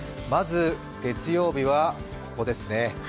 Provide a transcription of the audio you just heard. まず、月曜日はここですね。